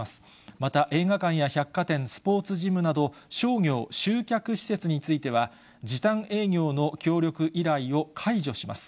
また、映画館や百貨店、スポーツジムなど、商業・集客施設については、時短営業の協力依頼を解除します。